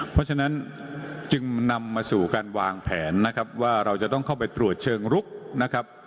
เพราะฉะนั้นจึงนำมาสู่การวางแผนนะครับว่าเราจะต้องเข้าไปตรวจเชิงลุกนะครับ